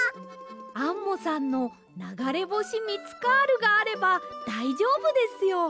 アンモさんのながれぼしミツカールがあればだいじょうぶですよ。